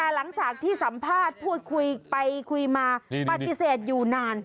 หลังจากที่สัมภาษณ์พูดคุยไปคุยมาปฏิเสธอยู่นาน